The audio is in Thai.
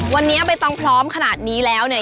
วันนี้ใบตองพร้อมขนาดนี้แล้วเนี่ย